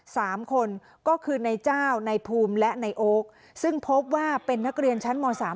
สามคนก็คือนายเจ้าในภูมิและในโอ๊คซึ่งพบว่าเป็นนักเรียนชั้นมสาม